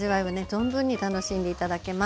存分に楽しんで頂けます。